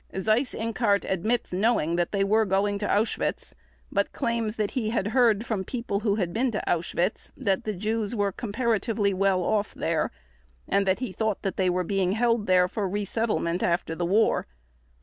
Seyss Inquart admits knowing that they were going to Auschwitz, but claims that he heard from people who had been to Auschwitz that the Jews were comparatively well off there, and that he thought that they were being held there for resettlement after the war.